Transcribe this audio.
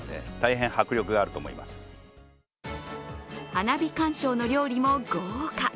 花火鑑賞の料理も豪華。